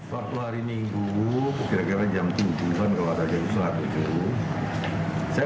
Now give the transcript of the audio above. waktu hari minggu kira kira jam tujuh